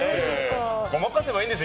ごまかせばいいんです。